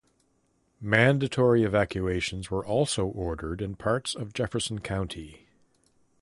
Mandatory evacuations were also ordered in parts of Jefferson County.